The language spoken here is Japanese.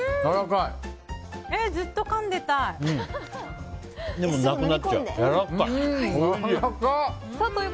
ずっとかんでたい。